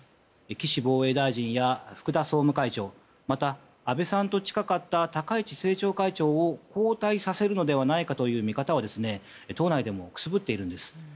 岸防衛大臣や福田総務会長または安倍さんと近かった高市政調会長を交代させるのではないかという見方は党内でもくすぶっているんです。